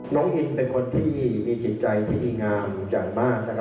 น้องอินทร์เป็นคนที่มีจิตใจที่ดีงามอย่างมาก